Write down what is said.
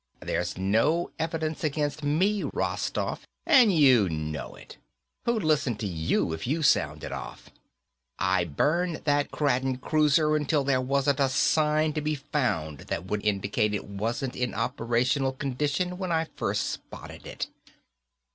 There's no evidence against me, Rostoff, and you know it. Who'd listen to you if you sounded off? I burned that Kraden cruiser until there wasn't a sign to be found that would indicate it wasn't in operational condition when I first spotted it."